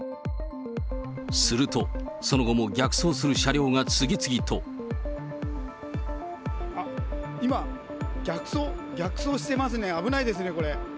すると、あっ、今、逆走、逆走してますね、危ないですね、これ。